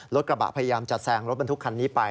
กระบะพยายามจะแซงรถบรรทุกคันนี้ไป